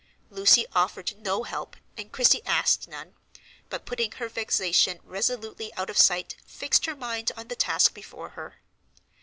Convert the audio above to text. Lucy offered no help and Christie asked none, but putting her vexation resolutely out of sight fixed her mind on the task before her.